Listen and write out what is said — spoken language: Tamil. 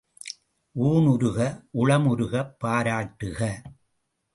ஊன் உருக உளம் உருகப் பாராட்டுக!